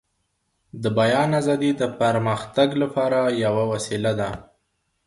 د بيان آزادي د پرمختګ لپاره يوه وسيله ده.